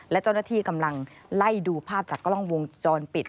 และเจ้าหน้าที่กำลังไล่ดูภาพจากกล้องวงจรปิด